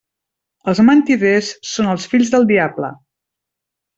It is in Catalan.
Els mentiders són els fills del diable.